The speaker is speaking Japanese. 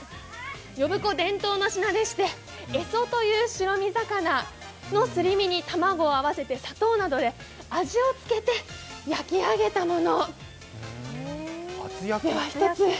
呼子伝統のものでして、エソという白身魚と卵を合わせて砂糖などで味をつけて焼き上げたもの。